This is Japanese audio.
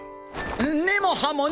根も葉もな。